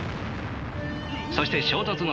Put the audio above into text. そして衝突の瞬間